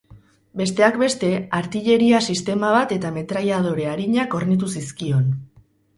Besteak beste, artilleria sistema bat eta metrailadore arinak hornitu zizkion.